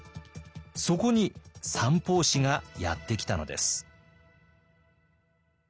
そこに三法師がやってきたのです。